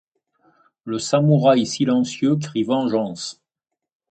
Le samouraï silencieux crie vengeance.